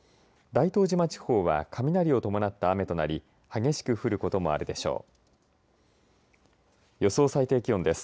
大東島地方は雷を伴った雨となり激しく降ることもあるでしょう。